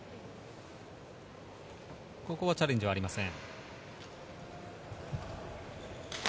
ここはチャレンジはありません。